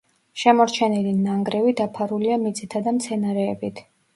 შემორჩენილი ნანგრევი დაფარულია მიწითა და მცენარეებით.